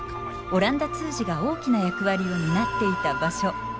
オランダ通詞が大きな役割を担っていた場所